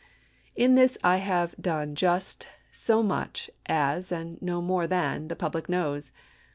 " In this I have done just so much as, and no more than, the public knows.